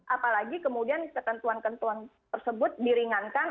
apalagi kemudian ketentuan ketentuan tersebut diringankan